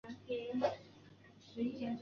地方州县长官不能过问猛安谋克的事务。